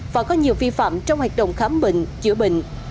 và có nhiều vi phạm trong hoạt động khám bệnh chữa bệnh